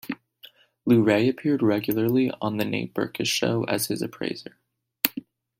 Luray appeared regularly on "The Nate Berkus Show" as his appraiser.